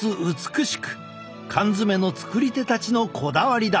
缶詰の作り手たちのこだわりだ。